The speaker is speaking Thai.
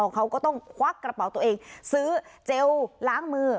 เขาก็ต้องควักกระเป๋าตัวเองซื้อเจลล้างมือ